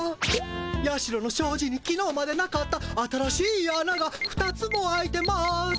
社のしょうじにきのうまでなかった新しいあなが２つも開いてます。